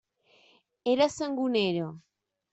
Era Sangonera.